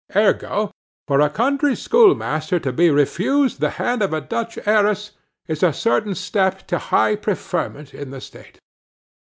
"Ergo, for a country schoolmaster to be refused the hand of a Dutch heiress is a certain step to high preferment in the state."